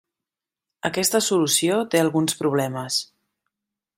Aquesta solució té alguns problemes.